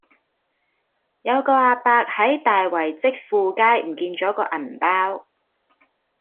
有個亞伯喺大圍積富街唔見左個銀包